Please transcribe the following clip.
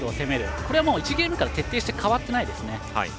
これはもう１ゲームから徹底して変わってないですね。